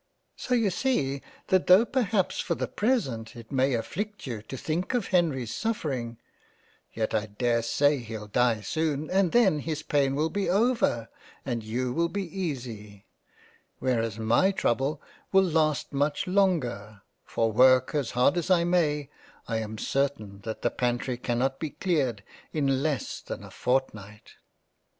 So you see that tho' per haps for the present it may afflict you to think of Henry's sufferings, Yet I dare say he'll die soon, and then his pain will be over and you will be easy, whereas my Trouble will last M J JANE AUSTEN £ much longer for work as hard as I may, I am certain that the pantry cannot be cleared in less than a fortnight."